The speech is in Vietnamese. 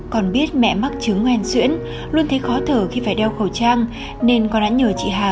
còn biết mẹ mắc chứng ngoan xuyễn luôn thấy khó thở khi phải đeo khẩu trang nên con đã nhờ chị hà